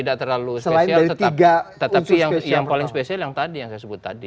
tidak terlalu spesial tetapi yang paling spesial yang tadi yang saya sebut tadi